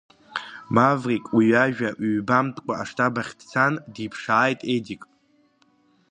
Маврик уи иажәа ҩбамтәкәа аштаб ахь дцан, диԥшааит Едик.